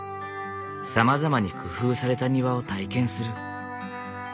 さまざまに工夫された庭を体験する。